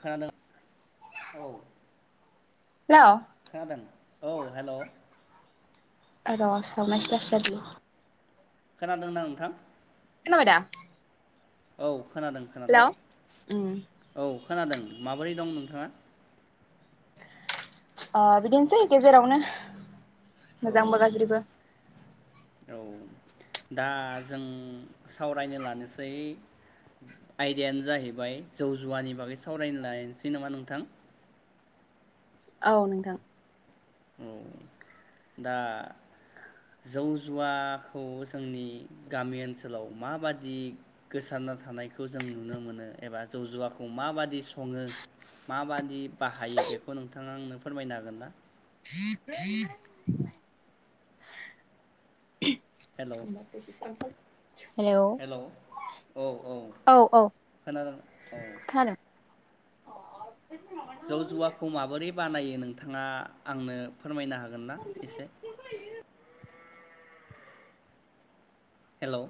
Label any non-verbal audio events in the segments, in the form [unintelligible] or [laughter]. खानादों औ लौ खोनादों? औ हेलौ र'सावनाय एसेलासै जादोलै खोनादों ना नोंथां? खोनाबाय दा? औ खोनादों खोनादों हेल' औ खोनादों माबोरै दं नोंथाङा? अ बिदिनोसै गेजेरावनो औ मोजांबो गाज्रिबो। औ दा जों सावरायनो लानोसै आयदायानो जाहैबाय जौ जुवानि बागै सावरायनो लायसै नंङा नोंथां। औ नोंथां। औ दा जौ जुवाखौ जोंनि गामि ओनसोलाव माबादि गोसारना थानायखौ जों नुनो मोनो एबा जौ जुवाखौ माबादि सङो माबादि बाहायो बेखौ नोंथाङा आंनो फोरमायनो हागोन ना? [unintelligible] हेलौ [unintelligible] हेलौ औ औ औ औ खोनादों औ खोनादों जौ जुवाखौ माबोरै बानायो नोंथाङा आंनो फोरमायनो हागोन ना एसे? हेलौ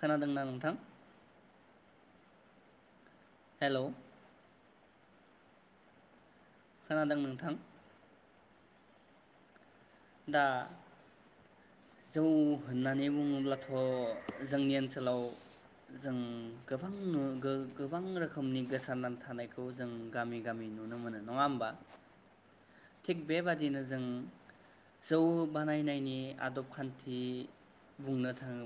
खोनादोंना नोंथां? हेलौ खोनादों नोंथां? दा जौ होननानै बुङोब्लाथ' जोंनि ओनसोलाव जों गोबां नु गो-गोबां रोखोमनि गोसारनानै थानायखौ जों गामि गामि नुनो मोनो नङा होमबा? थिग बेबादिनो जों जौ बानायनायनि आदब खान्थि बुंनो थाङो